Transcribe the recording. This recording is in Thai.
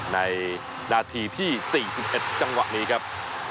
นาทีที่๔๑จังหวะนี้ครับ